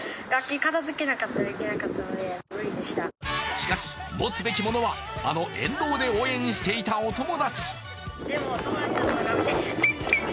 しかし、持つべきものはあの沿道で応援していたお友達。